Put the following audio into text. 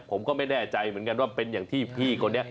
ผมก็ไม่แน่ใจเหมือนกันว่าเป็นอย่างที่พี่คนนี้